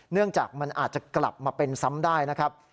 เนื่องจากมันอาจจะกลับมาเป็นซ้ำได้นะครับ